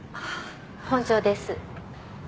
本庄です。